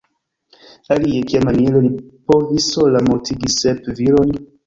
Alie, kiamaniere li povis sola mortigi sep virojn?